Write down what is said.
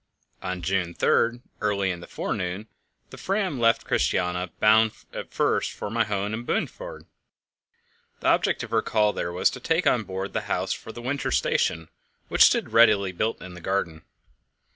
On June 3, early in the forenoon, the Fram left Christiania, bound at first for my home on Bundefjord. The object of her call there was to take on board the house for the winter station, which stood ready built in the garden.